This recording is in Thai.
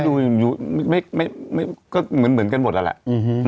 ก็ดูอยู่ไม่ไม่ก็เหมือนเหมือนกันหมดอะแหละอือฮือ